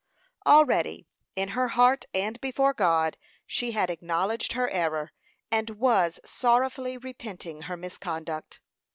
Already, in her heart and before God, she had acknowledged her error, and was sorrowfully repenting her misconduct.